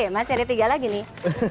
masih ada tiga lagi nih